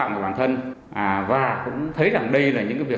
lê nám và không bị lôi kéo